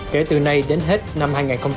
kể từ nay đến hết năm hai nghìn hai mươi